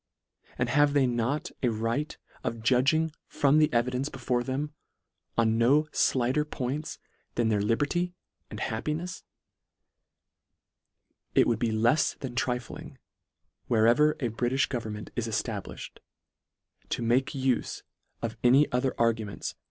and have they not a right of judging from the evidence before them, on no (lighter points than their liber ty and happinefs ? It would be lefs than trif ling, wherever a Britifh government is efta bliftied, to make ufe of any other arguments LETTER VI.